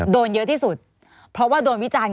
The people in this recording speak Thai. โดนเยอะที่สุดเพราะว่าโดนวิจารณ